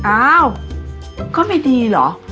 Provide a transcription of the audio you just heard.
อ้าวก็ไม่ดีเหรอ